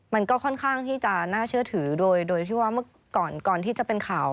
มันก็ค่อนข้างที่จะน่าเชื่อถือโดยที่ว่าเมื่อก่อนก่อนที่จะเป็นข่าว